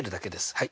はい。